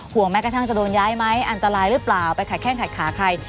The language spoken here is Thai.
แม้กระทั่งจะโดนย้ายไหมอันตรายหรือเปล่าไปขัดแข้งขัดขาใคร